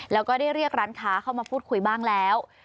แล้วก็ได้เรียกร้านค้าเข้ามาพูดคุยบ้างแล้ว